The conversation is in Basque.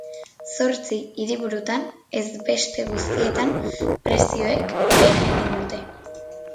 Zortzi hiriburutan ez beste guztietan prezioek behera egin dute.